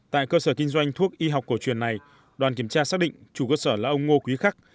tại cơ sở kinh doanh thuốc y học cổ truyền này đoàn kiểm tra xác định chủ cơ sở là ông ngô quý khắc